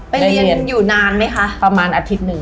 เรียนอยู่นานไหมคะประมาณอาทิตย์หนึ่ง